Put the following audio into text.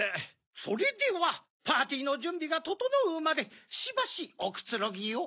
それではパーティーのじゅんびがととのうまでしばしおくつろぎを。